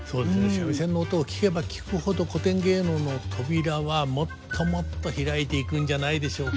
三味線の音を聴けば聴くほど古典芸能の扉はもっともっと開いていくんじゃないでしょうか。